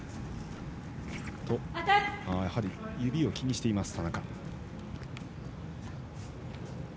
指を気にしています、田中。